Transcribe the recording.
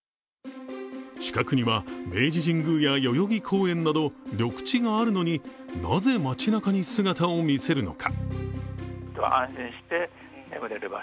近くには明治神宮や代々木公園など緑地があるのに、なぜ街なかに姿を見せるのか。